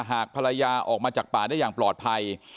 หากภรรยาออกมาจากป่าได้อย่างปลอดภัย